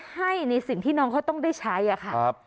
ให้ในสิ่งที่น้องเขาต้องได้ใช้ค่ะ